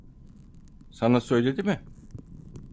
Sana söyledi mi?